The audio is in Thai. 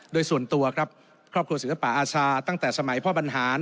โดยส่วนตัวครับครอบครัวศิลปะอาชาตั้งแต่สมัยพ่อบรรหาร